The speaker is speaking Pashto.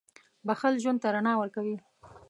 • بښل ژوند ته رڼا ورکوي.